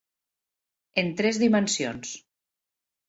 En tres dimensions.